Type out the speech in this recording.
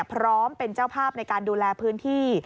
พร้อมเป็นเจ้าภาพในการดูแลพื้นที่